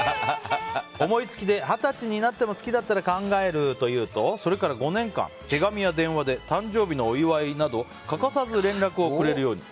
思い付きで二十歳になっても好きだったら考えると言うとそれから５年間、手紙や電話で誕生日のお祝いなど欠かさず連絡をくれるように。